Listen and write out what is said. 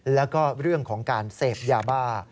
แล้วก็เรื่องของการเสพยาบ้า